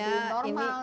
itu menjadi normal